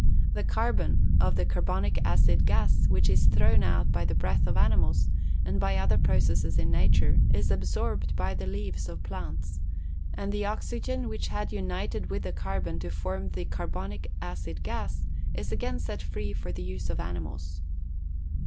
The carbon, of the carbonic acid gas, which is thrown out by the breath of animals, and by other processes in nature, is absorbed by the leaves of plants, and the oxygen which had united with the carbon to form the carbonic acid gas, is again set free for the use of animals.